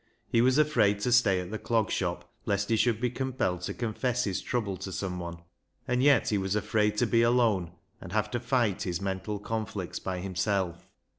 He was afraid to stay at the Clog Shop lest he should be compelled to confess his trouble to someone, and yet he was afraid to be alone and have to fight his mental conflicts by himself.